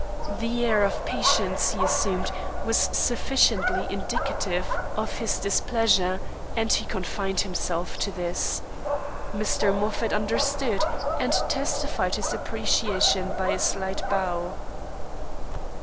The air of patience he assumed was sufficiently indicative of his displeasure, and he confined himself to this. Mr. Moffat understood, and testified his appreciation by a slight bow.